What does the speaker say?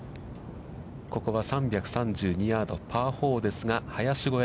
ここは３３２ヤード、パー４ですが、林越え。